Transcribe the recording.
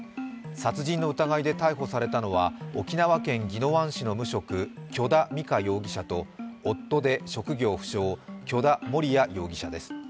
殺人の疑いで逮捕されたのは沖縄県宜野湾市の無職許田美香容疑者と夫で職業不詳、許田盛哉容疑者です。